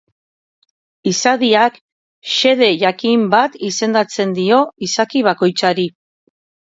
Izadiak xede jakin bat izendatzen dio izaki bakoitzari.